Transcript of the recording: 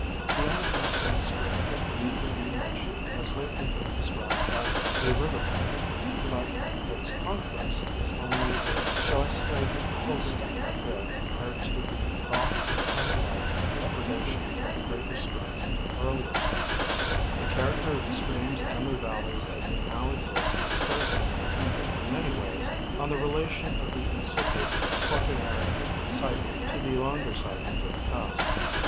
The only capturing stream that need be mentioned has lately been described as a " river pirate ;"* but its conquest is only a Schles * Science, xiii, 1889, 108. 250 National Geographic Magazine. wig Holstein affair compared to the Goth and Hun like depreda tions of the greater streams in earlier cycles. The character of the streams and their valleys as they now exist is strikingly dependent in many ways on the relation of the incipient quaternary cycle to the longer cycles of the past.